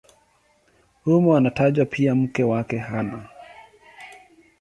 Humo anatajwa pia mke wake Ana.